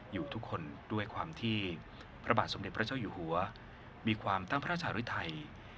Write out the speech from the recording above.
อยู่ทุกคนด้วยความที่พระบาทสมเด็จพระเจ้าอยู่หัวมีความตั้งพระราชริไทย